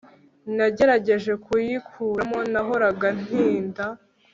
nagerageje kuyikuramo, nahoraga ntinda